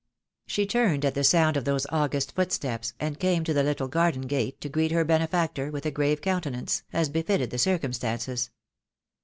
She turned at the sound of those august footsteps, and came to the little garden gate to greet her bene factor, with a grave countenance, as befitted the circum stances.